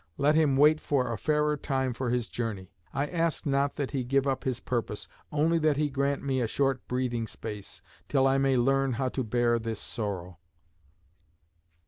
Let him wait for a fairer time for his journey. I ask not that he give up his purpose; only that he grant me a short breathing space, till I may learn how to bear this sorrow."